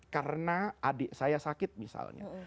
karena adik saya sakit misalnya